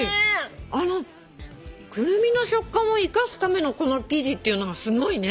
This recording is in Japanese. クルミの食感を生かすためのこの生地っていうのがすごいね。